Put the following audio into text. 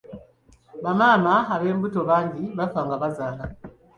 Bamaama ab'embuto bangi bafa nga bazaala.